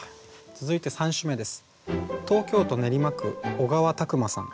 続いて３首目です。